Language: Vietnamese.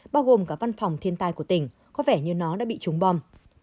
bao gồm cả văn phòng thiền tài của tỉnh có vẻ như nó đã bị trúng bom